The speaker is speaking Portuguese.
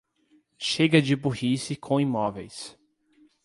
Chega de burrice com imóveis